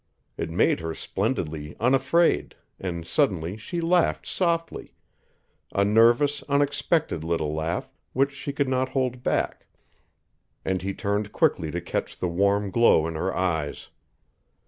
It made her splendidly unafraid, and suddenly she laughed softly a nervous, unexpected little laugh which she could not hold back, and he turned quickly to catch the warm glow in her eyes.